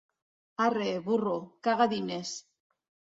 Arre, burro, caga diners!